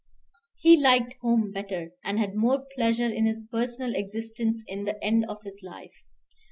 He liked home better, and had more pleasure in his personal existence in the end of his life.